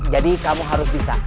jadi kamu harus bisa